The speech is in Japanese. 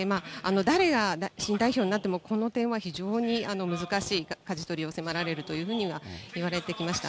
誰が新代表になっても、この点は非常に難しいかじ取りを迫られるというふうにはいわれてきました。